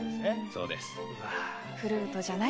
そうです。